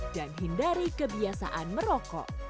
dan hindari kebiasaan merokok